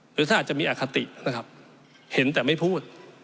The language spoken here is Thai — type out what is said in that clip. หรือถ้าอาจจะมีอคตินะครับเห็นแต่ไม่พูด